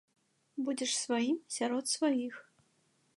Будзеш сваім сярод сваіх.